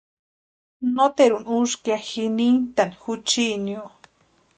Nóteru úska ya ji nintʼani juchinio.